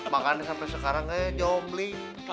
makannya sampai sekarang ngejombli